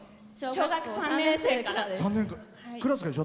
小学校３年生からです。